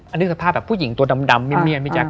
อันนี้สภาพแบบผู้หญิงตัวดำเมียนพี่แจ๊